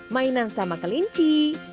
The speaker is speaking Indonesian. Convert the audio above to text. mainan sama kelinci